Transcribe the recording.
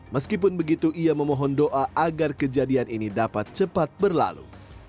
meskipun begitu ia memohon doa agar kejadian ini dapat cepat berlalu